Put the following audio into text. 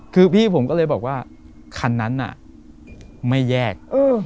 คือพี่ผมก็เลยบอกว่าคันนั้นน่ะไม่แยก